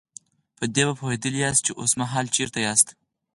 په دې به پوهېدلي ياستئ چې اوسمهال چېرته ياستئ.